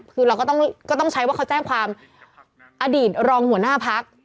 คือเราก็ต้องใช้ว่าเขาแจ้งความอดีตรองหัวหน้าพัก